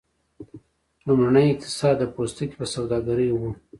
لومړنی اقتصاد د پوستکي په سوداګرۍ و.